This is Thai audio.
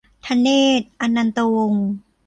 ธเนตร อนันตวงษ์